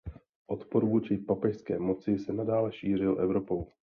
Odpor vůči papežské moci se nadále šířil Evropou.